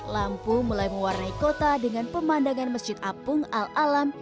lampu mulai mewarnai kota dengan pemandangan masjid apung al alam